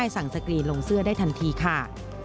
สั่งสกรีนลงเสื้อได้ทันทีค่ะ